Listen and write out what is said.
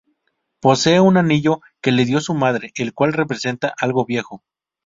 Posee un anillo que le dio su madre, el cual representa "algo viejo".